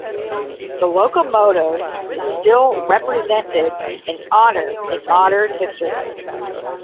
The locomotive is still represented and honored in modern history.